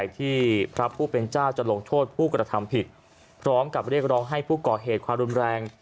ที่พระผู้เป็นเจ้าจะลงโทษผู้กระทำผิดพร้อมกับเรียกร้องให้ผู้ก่อเหตุความรุนแรง